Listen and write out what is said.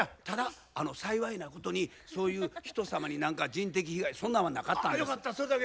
ただ幸いなことにそういう人様に何か人的被害そんなんはなかったんです。